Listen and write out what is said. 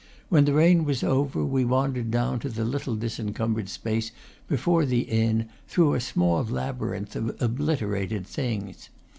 When the rain was over we wandered down to the little disencumbered space before the inn, through a small labyrinth of obliterated things.